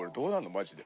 マジで。